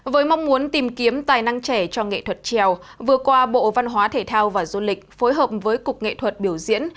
với mong muốn tìm kiếm tài năng trẻ cho nghệ thuật trèo vừa qua bộ văn hóa thể thao và du lịch phối hợp với cục nghệ thuật biểu diễn